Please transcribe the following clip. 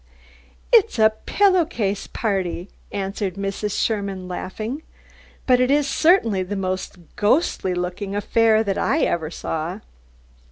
"It is a pillow case party," answered Mrs. Sherman, laughing, "but it is certainly the most ghostly looking affair that I ever saw."